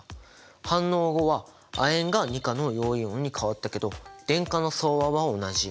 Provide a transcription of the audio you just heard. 反応後は亜鉛が２価の陽イオンに変わったけど電荷の総和は同じ。